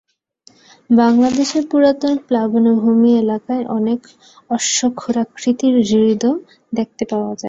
বাংলাদেশের পুরাতন প্লাবনভূমি এলাকায় অনেক অশ্বক্ষুরাকৃতি হ্রদ দেখতে পাওয়া যায়।